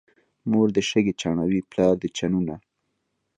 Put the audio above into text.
مور دې شګې چڼوي، پلار دې چنونه.